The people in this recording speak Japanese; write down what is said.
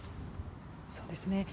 そうですね。